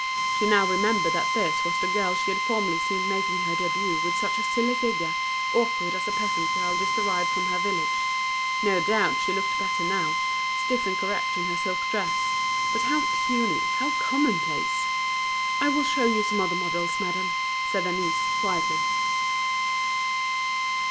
She now remembered that this vas the girl she had formerly seen making her debut with such a silly figure, awkward as a peasant girl just arrived from her village. No doubt she looked better now, stiff and correct in her silk dress. But how puny, how common place! "I will show you some other models, madame," said Denise, quietly.